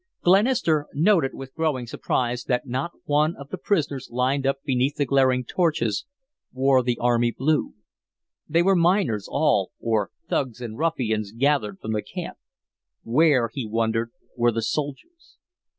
Glenister noted with growing surprise that not one of the prisoners lined up beneath the glaring torches wore the army blue. They were miners all, or thugs and ruffians gathered from the camp. Where, he wondered, were the soldiers.